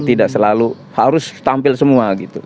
tidak selalu harus tampil semua gitu